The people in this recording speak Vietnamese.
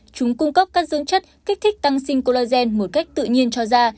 chúng cung cấp các dương chất kích thích tăng sinh collagen một cách tự nhiên cho da